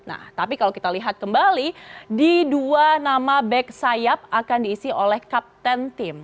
nah tapi kalau kita lihat kembali di dua nama back sayap akan diisi oleh kapten tim